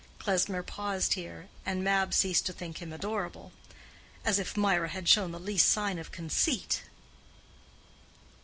Klesmer paused here. And Mab ceased to think him adorable: "as if Mirah had shown the least sign of conceit!"